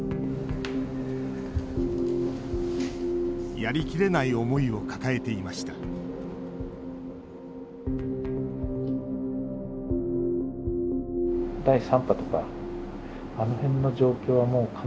やりきれない思いを抱えていました８月下旬。